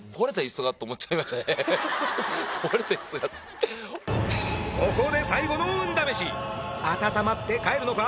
それでもここで最後の運試し温まって帰るのか？